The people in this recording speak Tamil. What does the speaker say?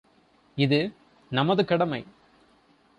இது நமது கடமை!